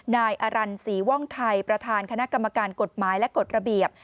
นายอรันศรีว่องไทยประธานคณะกรรมการกฎหมายและกฎระเบียบ